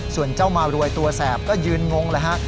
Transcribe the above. ส่วนเจ้ามารวยตัวแสบก็ยืนงงเลยฮะ